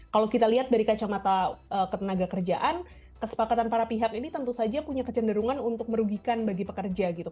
kalau kita lihat dari kacamata ketenaga kerjaan kesepakatan para pihak ini tentu saja punya kecenderungan untuk merugikan bagi pekerja gitu